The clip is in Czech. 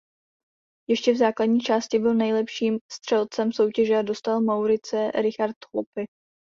Ještě v základní části byl nejlepším střelcem soutěže a dostal Maurice Richard Trophy.